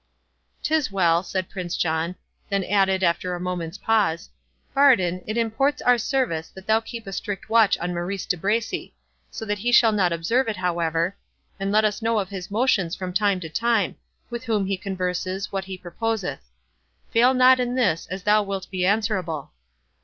"'Tis well," said Prince John; then added, after a moment's pause, "Bardon, it imports our service that thou keep a strict watch on Maurice De Bracy—so that he shall not observe it, however—And let us know of his motions from time to time—with whom he converses, what he proposeth. Fail not in this, as thou wilt be answerable."